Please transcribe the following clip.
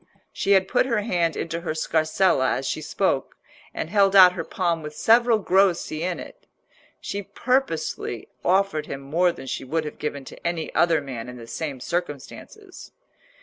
She had put her hand into her scarsella as she spoke, and held out her palm with several grossi in it. She purposely offered him more than she would have given to any other man in the same circumstances.